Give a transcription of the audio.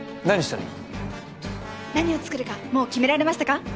何を作るかもう決められましたか？